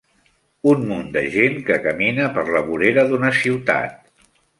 Un munt de gent que camina per la vorera d'una ciutat.